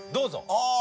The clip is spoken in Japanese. ああ。